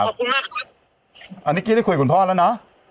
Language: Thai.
ขอบคุณมากอันนี้กี้ได้คุยกับคุณพ่อแล้วนะ